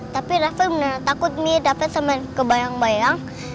tapi rafa beneran takut mi rafa sampe kebayang bayang